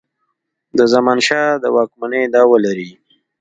د زمانشاه د واکمنی دعوه لري.